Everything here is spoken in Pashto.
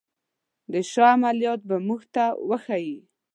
د شاه عملیات به موږ ته وښيي.